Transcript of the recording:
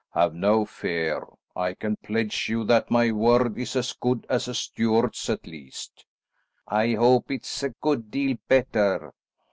"Have no fear. I can pledge you that my word is as good as a Stuart's at least." "I hope it's a good deal better."